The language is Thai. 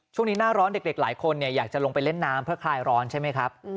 หน้าร้อนเด็กหลายคนอยากจะลงไปเล่นน้ำเพื่อคลายร้อนใช่ไหมครับ